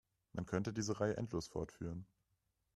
Man könnte diese Reihe endlos fortführen.